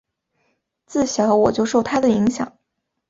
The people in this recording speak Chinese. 自小我就受他的影响